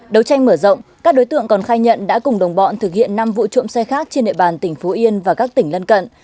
đấu tranh mở rộng các đối tượng còn khai nhận đã cùng đồng bọn thực hiện năm vụ trộm xe khác trên địa bàn tỉnh phú yên và các tỉnh lân cận